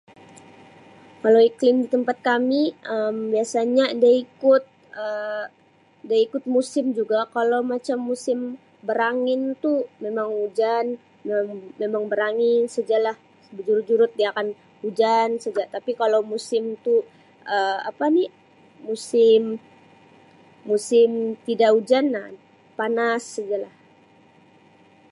Kalau iklim di tempat kami Um biasanya dia ikut Um dia ikut musim juga kalau macam musim berangin tu memang hujan mem - memang berangin saja lah bejurut-jurut dia akan hujan saja tapi kalau musim tu Um apa ni musim musim tidak hujan Um panas saja lah.